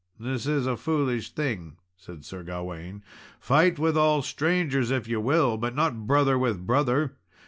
"This is a foolish thing," said Sir Gawain. "Fight with all strangers, if ye will, but not brother with brother.